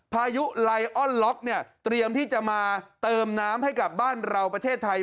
พายุไลออนล็อกเนี่ยเตรียมที่จะมาเติมน้ำให้กับบ้านเราประเทศไทย